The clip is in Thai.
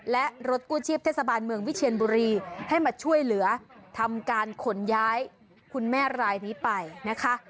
และรถกู้ชีพเทศบาลเมืองวิเชียนบุรีให้มาช่วยเหลือทำการขนย้ายคุณแม่รายนี้ไปนะคะ